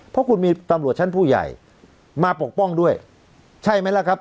เพราะคุณมีตำรวจชั้นผู้ใหญ่มาปกป้องด้วยใช่ไหมล่ะครับ